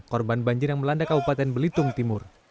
korban banjir yang melanda kabupaten belitung timur